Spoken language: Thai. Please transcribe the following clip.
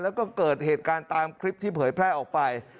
แล้วก็เกิดเหตุการณ์ตามคลิปที่เผยแพร่ออกไป